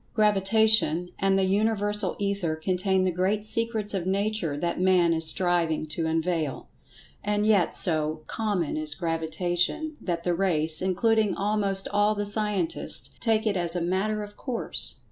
Gravitation and the Universal Ether contain the great secrets of Nature that Man is striving to unveil. And yet, so "common" is Gravitation that the race, including almost all the scientists, take it as a "matter of course."